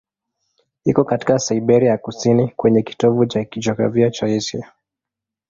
Iko katika Siberia ya kusini, kwenye kitovu cha kijiografia cha Asia.